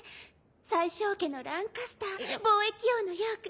宰相家のランカスター貿易王のヨーク。